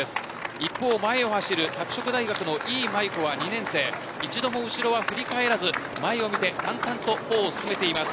一方、前を走る拓殖大の伊井萌佑子は２年生一度も後ろは振り返らず前を見て淡々と歩を進めています。